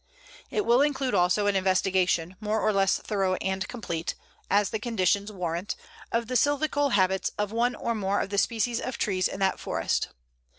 It will include also an investigation, more or less thorough and complete, as the conditions warrant, of the silvical habits of one or more of the species of trees in that forest.